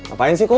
apaan sih kum